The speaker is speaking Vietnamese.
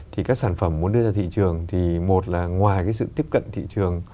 thì các sản phẩm muốn đưa ra thị trường thì một là ngoài cái sự tiếp cận thị trường